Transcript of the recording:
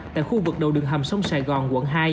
tại khu vực đầu đường hầm sông sài gòn quận hai